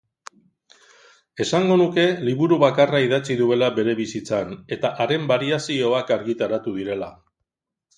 Esango nuke liburu bakarra idatzi duela bere bizitzan eta haren bariazioak argitaratu direla.